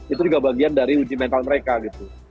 itu juga bagian dari uji mental mereka gitu